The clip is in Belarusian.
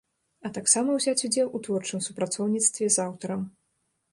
А таксама ўзяць удзел у творчым супрацоўніцтве з аўтарам.